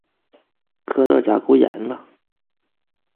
磕到甲沟炎了！